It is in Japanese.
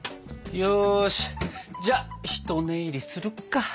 よしじゃひと寝入りするか。